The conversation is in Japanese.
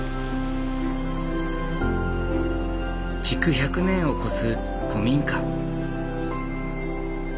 築１００年を超す古民家。